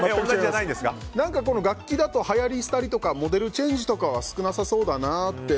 楽器だとはやり廃りとかモデルチェンジは少なさそうだなって。